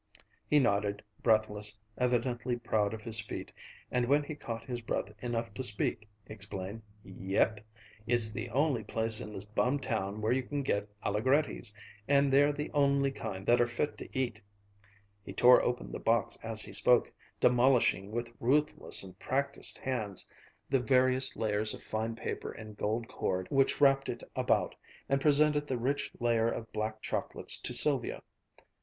He nodded, breathless, evidently proud of his feat, and when he caught his breath enough to speak, explained, "Yepp, it's the only place in this bum town where you can get Alligretti's, and they're the only kind that're fit to eat" He tore open the box as he spoke, demolishing with ruthless and practised hands the various layers of fine paper and gold cord which wrapped it about, and presented the rich layer of black chocolates to Sylvia.